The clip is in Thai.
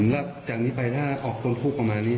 แล้วจากนี้ไปถ้าออกต้นภูกิออกมานี่